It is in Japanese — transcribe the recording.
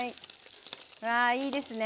わあいいですね。